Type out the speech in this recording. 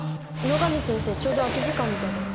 野上先生ちょうど空き時間みたいだよ。